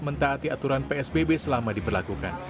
mentaati aturan psbb selama diberlakukan